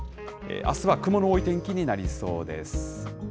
あすは雲の多い天気になりそうです。